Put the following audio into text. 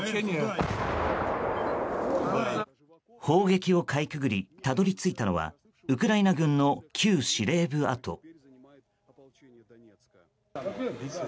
砲撃をかいくぐりたどり着いたのはウクライナ軍の旧司令部跡。